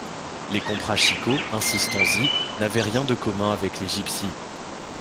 Les comprachicos, insistons-y, n’avaient rien de commun avec les gypsies.